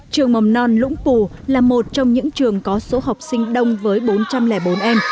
trường mầm non lũng pù là một trong những trường có số học sinh đông với bốn trăm linh bốn em